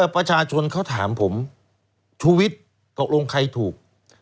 ประชาชนเขาถามผมชุวิตตกลงใครถูก